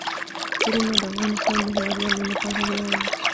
غرونه د افغانستان د هیوادوالو لپاره ویاړ دی.